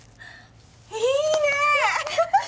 いいね！